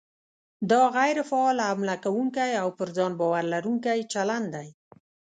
دا غیر فعال، حمله کوونکی او پر ځان باور لرونکی چلند دی.